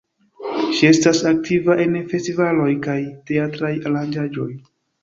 Ŝi estas aktiva en festivaloj kaj teatraj aranĝaĵoj.